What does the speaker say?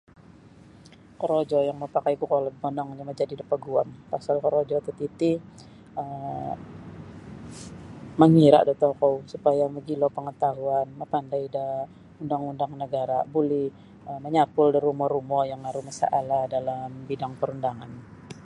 Korojo yang mapakaiku kokolod monongnyo majadi da paguam pasal korojo tatiti um mangira' da tokou supaya mogilo pangatahuan mapandai da undang-undang nagara' boleh manyapul da rumo-rumo yang aru masalah dalam bidang perundangan